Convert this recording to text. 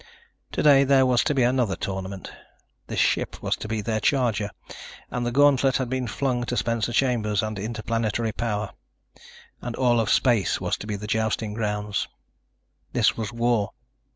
Today there was to be another tournament. This ship was to be their charger, and the gauntlet had been flung to Spencer Chambers and Interplanetary Power. And all of space was to be the jousting grounds. This was war.